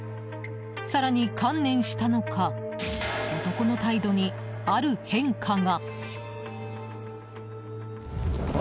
更に観念したのか男の態度にある変化が。